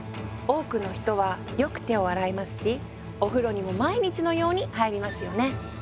多くの人はよく手を洗いますしお風呂にも毎日のように入りますよね。